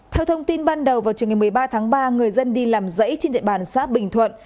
theo thông tin ban đầu vào trường ngày một mươi ba tháng ba người dân đi làm dãy trên địa bàn xã bình thuận